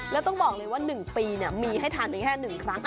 แล้วต้องบอกเลยว่า๑ปีมีให้ทานไปแค่๑ครั้ง